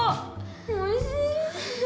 おいしい。